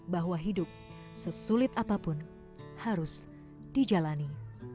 bahwa hidup sesulit apapun harus dijalani